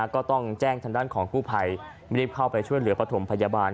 ก็ต้องแจ้งทางด้านของกู้ภัยรีบเข้าไปช่วยเหลือประถมพยาบาล